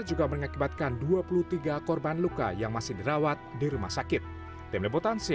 juga mengakibatkan dua puluh tiga korban luka yang masih dirawat di rumah sakit tim lebotansi